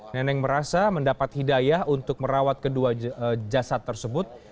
neneng merasa mendapat hidayah untuk merawat kedua jasad tersebut